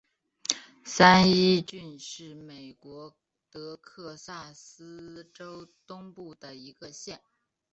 三一郡是美国德克萨斯州东部的一个县。